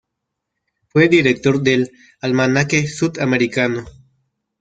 Fue director del "Almanaque Sud-Americano".